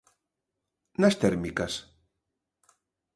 ¿Nas térmicas?